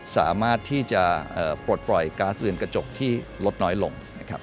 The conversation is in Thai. สามารถที่จะปลดปล่อยการเซลล์กระจกที่ลดน้อยลง